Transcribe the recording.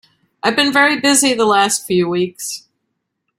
I've been very busy the last few weeks.